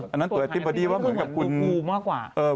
อันนั้นตรวจแอนติบอดี้ว่าเหมือนกับคุณ